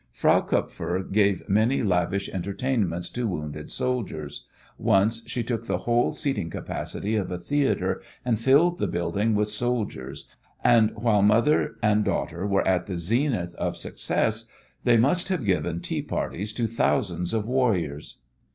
Frau Kupfer gave many lavish entertainments to wounded soldiers. Once she took the whole seating capacity of a theatre and filled the building with soldiers, and while mother and daughter were at the zenith of success they must have given tea parties to thousands of warriors.